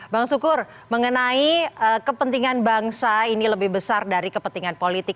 bang sukur mengenai kepentingan bangsa ini lebih besar dari kepentingan politik